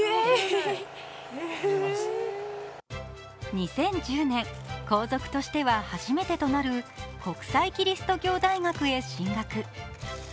２０１０年、皇族としては初めてとなる国際基督教大学へ進学。